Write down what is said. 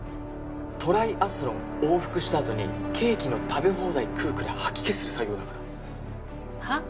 トライアスロン往復したあとにケーキの食べ放題食うくらい吐き気する作業だからはっ？